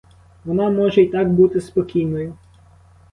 Вона може й так бути спокійною.